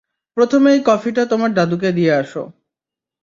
প্রথমে এই কফিটা তোমার দাদুকে দিয়ে আসো।